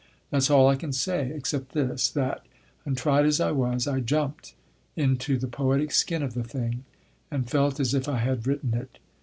That's all I can say except this, that, untried as I was, I jumped into the poetic skin of the thing, and felt as if I had written it.